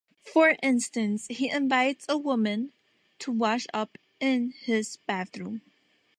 For instance, he invites a woman to wash up in his bathroom.